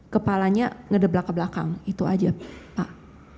kepalanya ngedeblak ke belakang itu aja pak